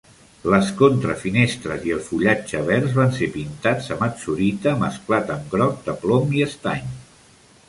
Les contrafinestres i el fullatge verds van ser pintats amb atzurita mesclat amb groc de plom i estany